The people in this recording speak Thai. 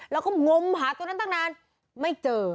แล้วก็งมหาตัวนั้นตั้งนานไม่เจอ